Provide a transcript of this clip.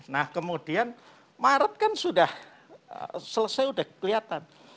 nah kemudian maret kan sudah selesai sudah kelihatan